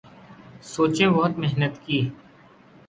سوچیں بہت محنت کی